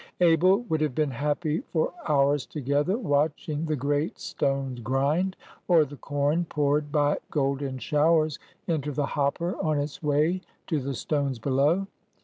Abel would have been happy for hours together watching the great stones grind, or the corn poured by golden showers into the hopper on its way to the stones below.